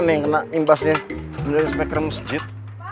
ini yang kena impasnya dari spek rem sejit